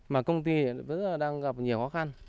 mà công ty đang gặp nhiều khó khăn